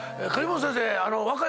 梶本先生。